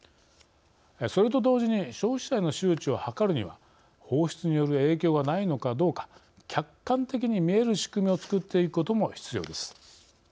それと同時に消費者への周知を図るには放出による影響がないのかどうか客観的に見える仕組みを作っていくことも必要です。